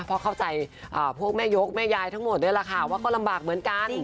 เพราะเข้าใจพวกแม่โยมแม่ยายทั้งหมดเบาะพวกก็ลำบากเหมือนกัน